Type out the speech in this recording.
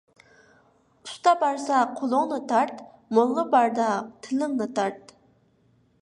ئۇستا بارسا قولۇڭنى تارت، موللا باردا تىلىڭنى تارت.